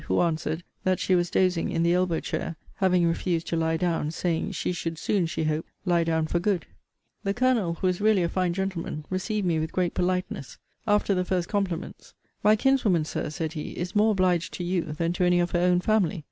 Who answered, that she was dozing in the elbow chair, having refused to lie down, saying, she should soon, she hoped, lie down for good. The Colonel, who is really a fine gentleman, received me with great politeness. After the first compliments My kinswoman, Sir, said he, is more obliged to you than to any of her own family.